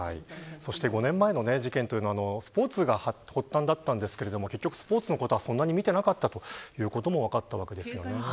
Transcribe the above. ５年前の事件というのはスポーツが発端だったんですが結局スポーツのことはそんなに見ていなかったということも分かったわけですよね。